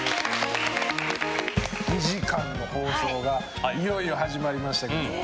２時間の放送がいよいよ始まりましたけれども。